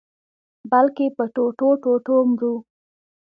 بلکي په ټوټو-ټوټو مرو